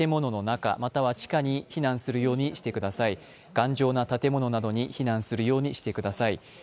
頑丈な建物などに避難するようにしてください。